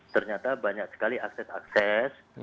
ternyata banyak sekali akses akses